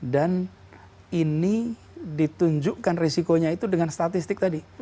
dan ini ditunjukkan resikonya itu dengan statistik tadi